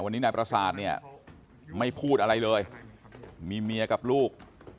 วันนี้นายประสาทเนี่ยไม่พูดอะไรเลยมีเมียกับลูก